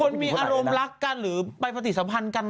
คนมีอารมณ์รักกันหรือไปปฏิสัมพันธ์กัน